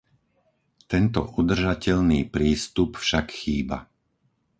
Tento udržateľný prístup však chýba.